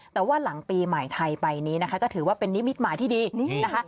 แต่ว่าหลังปีใหม่ไทยไปนี้นะคะก็ถือว่าเป็นนิมิตหมายที่ดีนะคะ